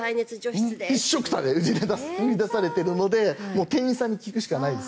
一緒くたで売り出されているので店員さんに聞くしかないです。